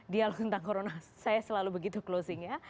dialog tentang corona saya selalu begitu closing ya